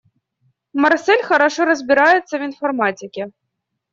Марсель хорошо разбирается в информатике.